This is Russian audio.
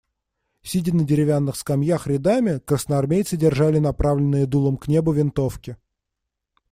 Сидя на деревянных скамьях рядами, красноармейцы держали направленные дулом к небу винтовки.